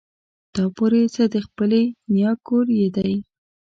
تا پورې څه د خپلې نيا کور يې دی.